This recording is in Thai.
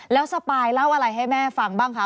แล้วสปายเล่าอะไรให้แม่ฟังบ้างคะ